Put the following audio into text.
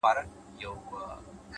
د کلي مسجد غږ د وخت اندازه بدلوي,